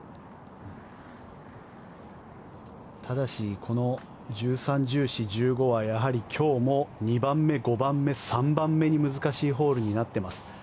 ただしこの１３、１４、１５はやはり今日も２番目、５番目３番目に難しいホールになっています。